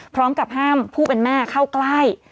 พร้อมกับห้ามผู้เป็นแม่เข้าใกล้